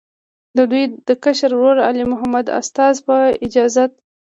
د دوي د کشر ورور، علي محمد استاذ، پۀ اجازت